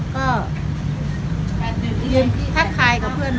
ก็ยินทักขายกับเพื่อนก็